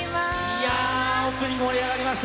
いやー、オープニング、盛り上がりました。